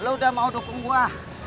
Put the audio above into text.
lu udah mau dukung gua